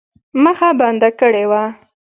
مخه بنده کړې وه.